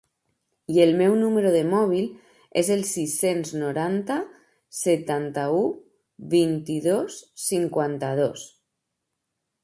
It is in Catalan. I el meu número de mòbil és el sis-cents noranta setanta-u vint-i-dos cinquanta-dos.